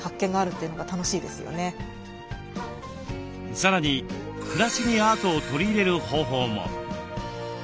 さらに暮らしにアートを取り入れる方法も。